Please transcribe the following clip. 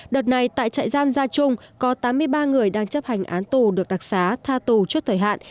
đợt này tại trại giam gia trung có tám mươi ba người đang chấp hành án tù được đặc xá tha tù trước thời hạn